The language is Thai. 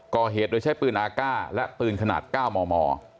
ก่อเหตุโดยใช้ปืนอากาศและปืนขนาด๙มม